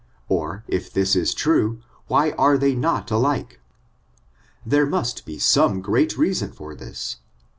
or, if this is true, why are they not alike? There must be some great reason for this.